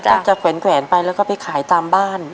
กลับเกริ่นไปแล้วก็ไปขายตามบ้าน